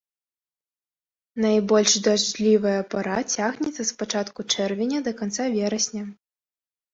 Найбольш дажджлівая пара цягнецца з пачатку чэрвеня да канца верасня.